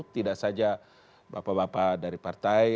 tidak saja bapak bapak dari partai